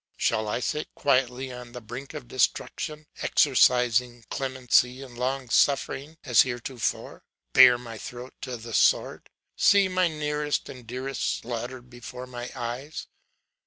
Shall I sit quietly on the brink of destruction, exercising clemency and long suffering as heretofore? bare my throat to the sword? see my nearest and dearest slaughtered before my eyes?